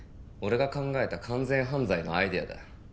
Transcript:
俺が考えた完全犯罪のアイデアだ。